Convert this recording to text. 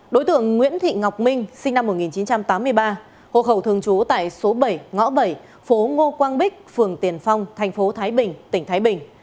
đối tượng nguyễn thị ngọc minh sinh năm một nghìn chín trăm tám mươi ba hộ khẩu thường trú tại số bảy ngõ bảy phố ngô quang bích phường tiền phong tp thái bình tỉnh thái bình